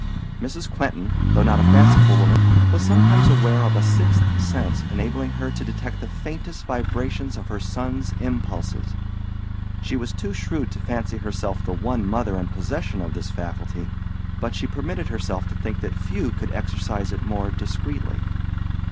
Mrs. Quentin, though not a fanciful woman, was sometimes aware of a sixth sense enabling her to detect the faintest vibrations of her son's impulses. She was too shrewd to fancy herself the one mother in possession of this faculty, but she permitted herself to think that few could exercise it more discreetly.